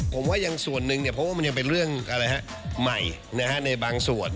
ผมว่ายังส่วนหนึ่งเนี่ยเพราะว่ามันยังเป็นเรื่องใหม่ในบางส่วน